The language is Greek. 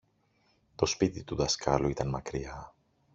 Το σπίτι του δασκάλου ήταν μακριά.